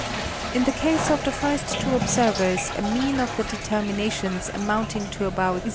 In the case of the first two observers a mean of the determinations amounting to about 0°.